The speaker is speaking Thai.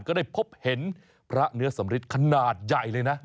ก็ได้พบเห็นพระเนื้อสำริทขนาดใหญ่เลยนะ